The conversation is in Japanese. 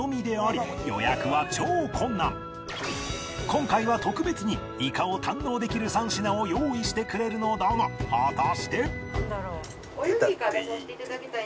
今回は特別にイカを堪能できる３品を用意してくれるのだが果たして